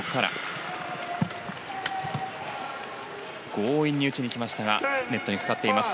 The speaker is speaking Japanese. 強引に打ちに来ましたがネットにかかっています。